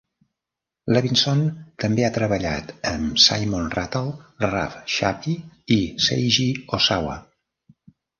Levinson també ha treballat amb Simon Rattle, Ralph Shapey i Seiji Ozawa.